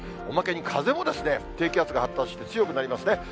おまけに風も、低気圧が発達して強くなりますね。